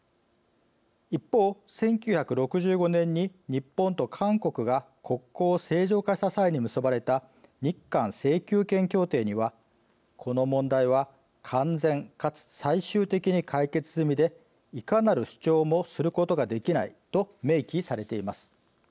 一方、１９６５年に日本と韓国が国交を正常化した際に結ばれた日韓請求権協定には、この問題は完全かつ最終的に解決済みでいかなる主張もすることができないと明記されています。